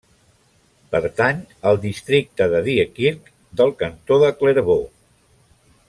Pertany al districte de Diekirch del cantó de Clervaux.